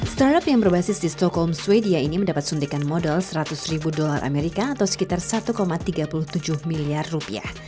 startup yang berbasis di stockholm sweden ini mendapat suntikan modal seratus ribu dolar amerika atau sekitar satu tiga puluh tujuh miliar rupiah